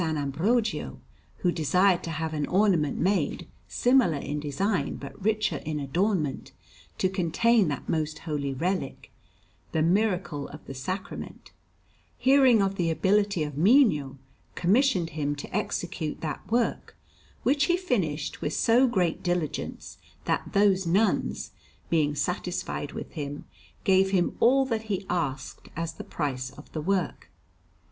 Ambrogio who desired to have an ornament made, similar in design but richer in adornment, to contain that most holy relic, the Miracle of the Sacrament hearing of the ability of Mino, commissioned him to execute that work, which he finished with so great diligence that those nuns, being satisfied with him, gave him all that he asked as the price of the work.